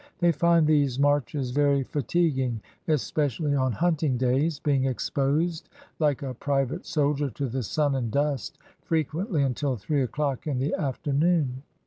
They find these marches very fatiguing, especially on hunting days, being exposed like a private soldier to the sun and dust, frequently until three o'clock in the afternoon.